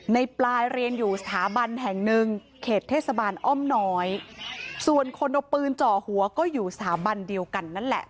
ในปลายเรียนอยู่สถาบันแห่งหนึ่งเขตเทศบาลอ้อมน้อยส่วนคนเอาปืนจ่อหัวก็อยู่สถาบันเดียวกันนั่นแหละ